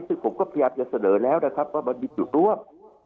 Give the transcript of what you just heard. ซึ่งผมก็พยายามจะเสนอแล้วนะครับว่ามันมีจุดร่วม